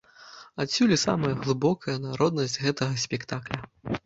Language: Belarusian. Адсюль і самая глыбокая народнасць гэтага спектакля.